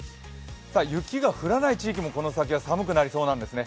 雪が降らない地域もこの先は寒くなりそうなんですね。